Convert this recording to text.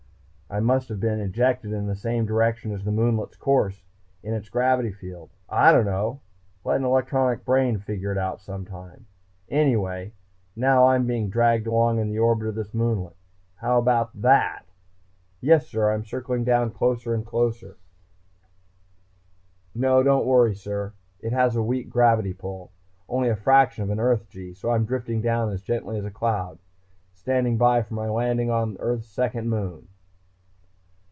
I must have been ejected in the same direction as the moonlet's course, in its gravity field.... I don't know. Let an electronic brain figure it out some time.... Anyway, now I'm being dragged along in the orbit of the moonlet how about that? Yes, sir, I'm circling down closer and closer to the moonlet.... No, don't worry, sir. It was a weak gravity pull, only a fraction of an Earth g. So I'm drifting down gently as a cloud.... Stand by for my landing on Earth's second moon!"